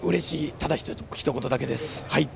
ただひと言だけです。